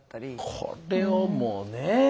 これをもうねえ。